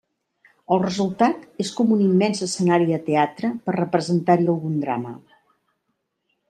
El resultat és com un immens escenari de teatre per representar-hi algun drama.